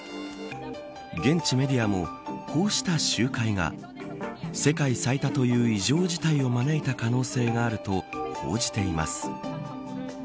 現地メディアもこうした集会が世界最多という異常事態を招いた可能性があると報じています。